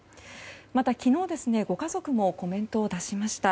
また昨日、ご家族もコメントを出しました。